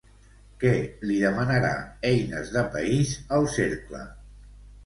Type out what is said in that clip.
Què li demanarà Eines de País al Cercle?